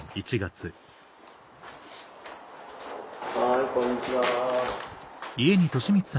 はいこんにちは。